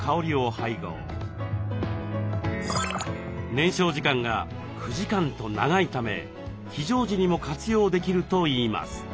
燃焼時間が９時間と長いため非常時にも活用できるといいます。